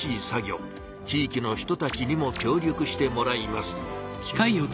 地いきの人たちにも協力してもらいます。